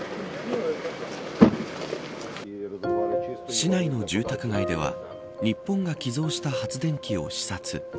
市内の住宅街では日本が寄贈した発電機を視察。